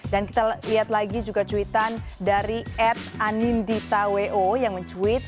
dan kita lihat lagi juga cuitan dari ad anindita wo yang mencuit